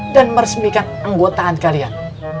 dan meresmikan anggotaan kalian